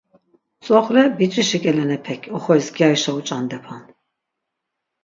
Tzoxle biç̆işi k̆elenepek oxoris gyarişa uç̆andepan.